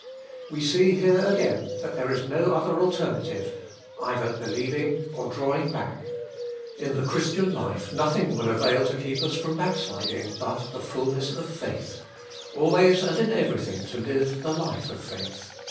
We see here again that there is no other alternative — either believing or drawing back. In the Christian life nothing will avail to keep us from back sliding but the fulness of faith — always and in everything to live the life of faith.